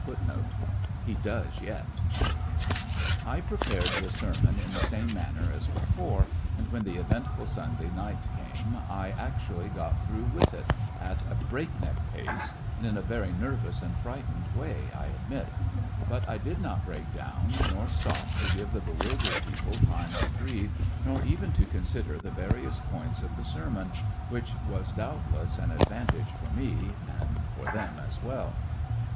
* I prepared the sermon in the same manner as before, and when the eventful Sunday night came I actu ally got through with it— at a breakneck pace and in a very nervous and fiightened way, I admit ; but I did not break down, nor stop to give the bewildered people time to breathe nor even to consider the various points of the sermon, which was doubtless an advan tage for me and for them as well.